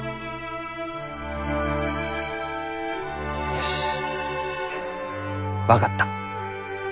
よし分かった。